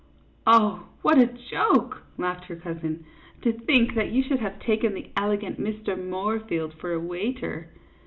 " Oh, what a joke !" laughed her cousin, " to think that you should have taken the elegant Mr. Moorfield for a waiter